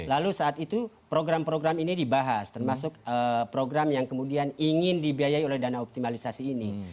lalu saat itu program program ini dibahas termasuk program yang kemudian ingin dibiayai oleh dana optimalisasi ini